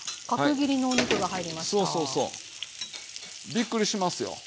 びっくりしますよ。